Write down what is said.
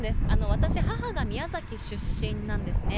私、母が宮崎出身なんですね。